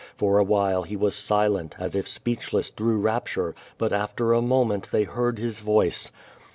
For a while he was silent, as if speech less through rapture, but after a moment they heard his voice.